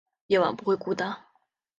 夜晚不会孤单